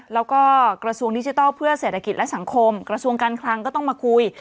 แล้วก็กระทรวงดิจิทัลเพื่อเศรษฐกิจและสังคมกระทรวงการคลังก็ต้องมาคุย